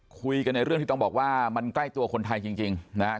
คุยกันในเรื่องที่ต้องบอกว่ามันใกล้ตัวคนไทยจริงนะครับ